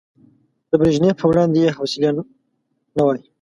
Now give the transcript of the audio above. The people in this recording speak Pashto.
د بريژينف په وړاندې بې حوصلې نه وای.